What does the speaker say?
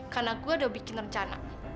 karena gue udah bikin rencana